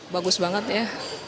bagus banget ya